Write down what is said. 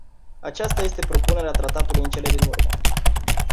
Aceasta este propunerea tratatului în cele din urmă.